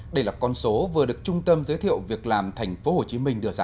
đây là con số vừa được trung tâm giới thiệu việc làm tp hcm đưa ra